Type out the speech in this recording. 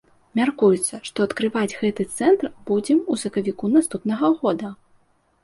Мяркуецца, што адкрываць гэты цэнтр будзем у сакавіку наступнага года.